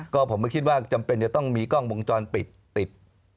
ก็ผมไม่คิดว่าจำเป็นจะต้องมีกล้องวงจรปิดติด